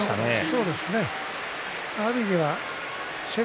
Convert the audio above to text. そうですね。